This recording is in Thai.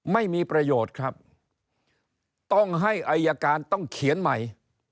ไม่มีประโยชน์ครับต้องให้อายการต้องเขียนใหม่